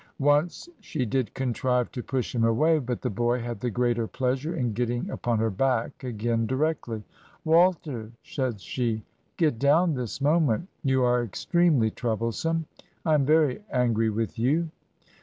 Once she did contrive to push him away, but the boy had the greater pleasure in getting upon her back again directly. 'Walter,' said she, 'get down tliis moment. You are extremely troublesome. I am very angry with you.'